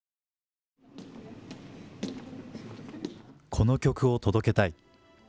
「この曲を届けたい」。